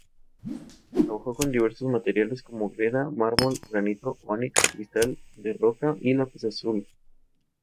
Trabajó con diversos materiales, como greda, mármol, granito, ónix, cristal de roca y lapislázuli.